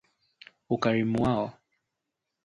ukarimu wao